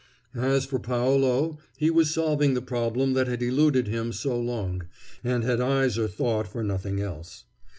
As for Paolo, he was solving the problem that had eluded him so long, and had eyes or thought for nothing else.